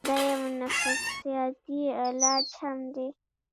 دا يو نفسياتي علاج هم دے